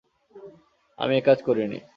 আমি একাজ করিনি।